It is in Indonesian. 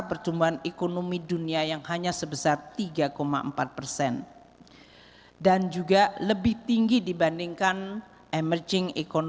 pertumbuhan ekonomi dunia yang hanya sebesar tiga empat persen dan juga lebih tinggi dibandingkan emerging